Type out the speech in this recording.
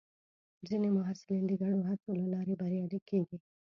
ځینې محصلین د ګډو هڅو له لارې بریالي کېږي.